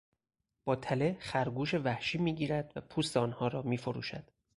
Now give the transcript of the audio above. با تله، خرگوش وحشی میگیرد و پوست آنها را میفروشد.